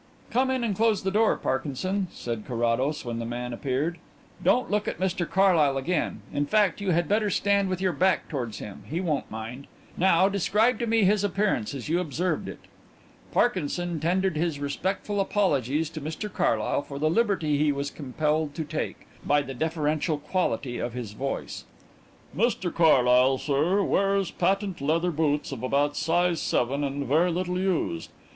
"Come in and close the door, Parkinson," said Carrados when the man appeared. "Don't look at Mr Carlyle again in fact, you had better stand with your back towards him, he won't mind. Now describe to me his appearance as you observed it." Parkinson tendered his respectful apologies to Mr Carlyle for the liberty he was compelled to take, by the deferential quality of his voice. "Mr Carlyle, sir, wears patent leather boots of about size seven and very little used.